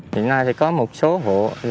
hiện nay thì có một số hộ